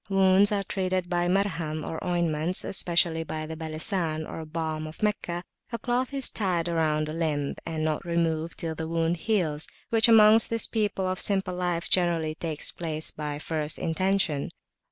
Wounds are treated by Marham, or ointments, especially by the "Balesan," or Balm of Meccah; a cloth is tied round the limb, and [p.390]not removed till the wound heals, which amongst this people of simple life, generally takes place by first intention.